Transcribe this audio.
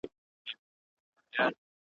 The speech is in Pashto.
ته په خپل سیوري کي ورک یې .